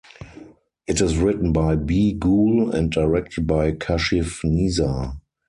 It is written by Bee Gul and directed by Kashif Nisar.